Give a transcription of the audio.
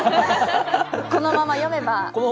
このまま読めば。